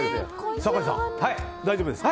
酒井さん、大丈夫ですか？